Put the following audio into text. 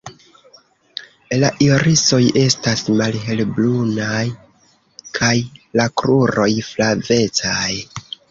La irisoj estas malhelbrunaj kaj la kruroj flavecaj.